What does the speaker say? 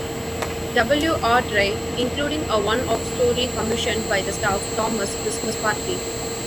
W. Awdry, including a one-off story commissioned by the staff, "Thomas' Christmas Party".